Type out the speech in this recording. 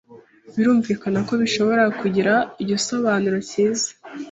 Birumvikana ko bishobora kugira igisobanuro cyiza